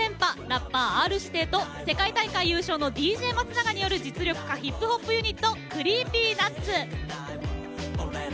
ラッパーＲ−指定と世界大会優勝のＤＪ松永による実力派ヒップホップユニットＣｒｅｅｐｙＮｕｔｓ。